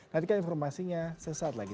nantikan informasinya sesaat lagi